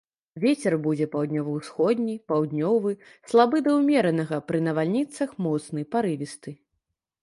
Вецер будзе паўднёва-ўсходні, паўднёвы, слабы да ўмеранага, пры навальніцах моцны парывісты.